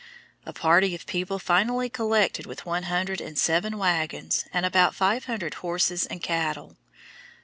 A party of people finally collected with one hundred and seven wagons and about five hundred horses and cattle.